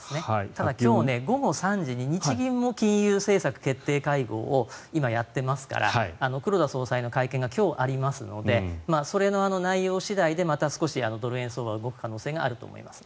ただ、今日午後３時に日銀も金融政策決定会合を今、やっていますから黒田総裁の会見が今日ありますのでそれの内容次第でまた少しドル円相場が動く可能性があると思います。